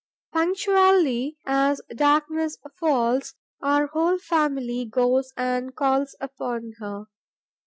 Punctually as darkness falls, our whole family goes and calls upon her.